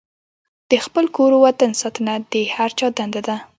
د خپل کور او وطن ساتنه د هر چا دنده ده.